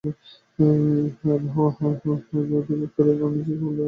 আবহাওয়া অধিদপ্তরের তথ্য অনুযায়ী, কেবল ঢাকায় নয়, দেশের বিভিন্ন স্থানে কম-বেশি বৃষ্টি হয়েছে।